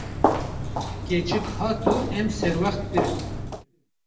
Keçik hat û em serwext kirin.